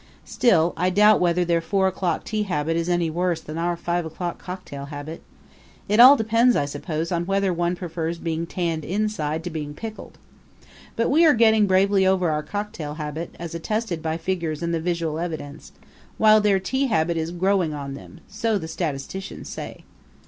Still, I doubt whether their four o'clock tea habit is any worse than our five o'clock cocktail habit. It all depends, I suppose, on whether one prefers being tanned inside to being pickled. But we are getting bravely over our cocktail habit, as attested by figures and the visual evidences, while their tea habit is growing on them so the statisticians say.